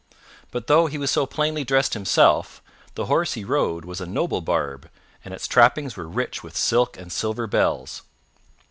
But though he was so plainly dressed himself, the horse he rode was a noble barb, and its trappings were rich with silk and silver bells.